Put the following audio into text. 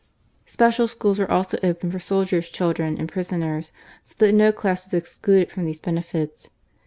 Special schools were also opened for soldiers' children and prisoners : so that no class was excluded from these benefits.